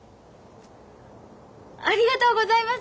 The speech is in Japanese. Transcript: ありがとうございます！